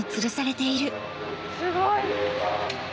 すごい！